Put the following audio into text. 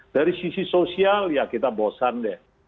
dari sisi sosial ya kita bosan deh